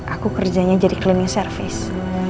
aku kerjanya jadi cleaning service